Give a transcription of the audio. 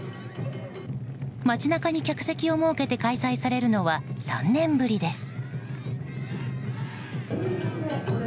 街中に客席を設けて開催されるのは、３年ぶりです。